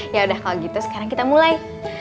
ya udah kalau gitu sekarang kita mulai